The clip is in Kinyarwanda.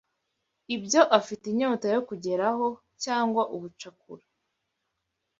ibyo afite inyota yo kugeraho cyangwa ubucakura